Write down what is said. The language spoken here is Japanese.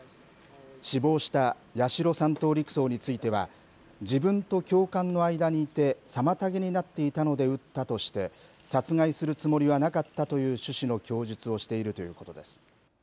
死亡した八代３等陸曹については自分と教官の間にいて妨げになっていたので撃ったとして殺害するつもりはなかったという趣旨の供述をしているということです。